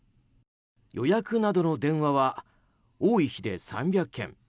予約などの電話は多い日で３００件。